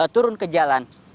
turun ke jalan